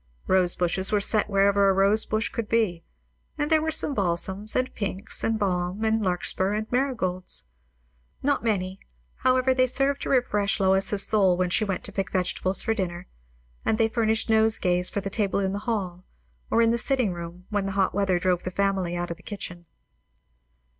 Rose bushes were set wherever a rose bush could be; and there were some balsams, and pinks, and balm, and larkspur, and marigolds. Not many; however, they served to refresh Lois's soul when she went to pick vegetables for dinner, and they furnished nosegays for the table in the hall, or in the sitting room, when the hot weather drove the family out of the kitchen.